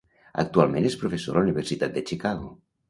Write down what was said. Actualment és professor a la Universitat de Chicago.